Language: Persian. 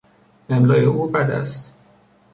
املای او بد است.